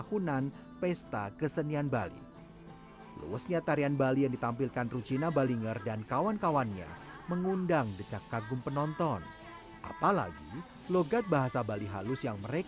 cuma seiringnya bertambah umur